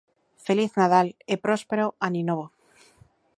Feliz Nadal e próspero aninovo.